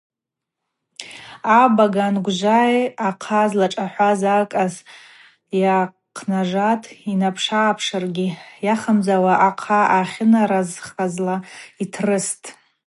Абага ангвжвай ахъа злашӏахӏваз акӏас гӏахънажватӏ, йнапшыгӏапшрагьи йахамдзауа ахъа ахьъанархазла йтрыстӏ.